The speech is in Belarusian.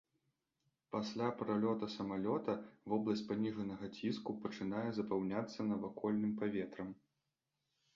Пасля пралёта самалёта вобласць паніжанага ціску пачынае запаўняцца навакольным паветрам.